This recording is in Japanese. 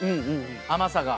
甘さが。